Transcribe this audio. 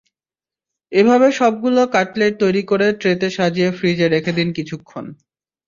এভাবে সবগুলো কাটলেট তৈরি করে ট্রেতে সাজিয়ে ফ্রিজে রেখে দিন কিছুক্ষণ।